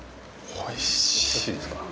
おいしいですか？